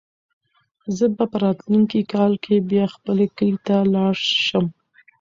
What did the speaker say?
زه به په راتلونکي کال کې بیا خپل کلي ته لاړ شم.